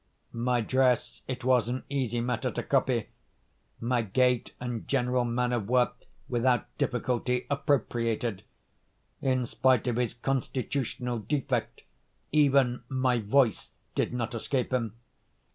My dress it was an easy matter to copy; my gait and general manner were, without difficulty, appropriated; in spite of his constitutional defect, even my voice did not escape him.